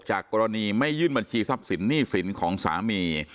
กรณีไม่ยื่นบัญชีทรัพย์สินหนี้สินของสามี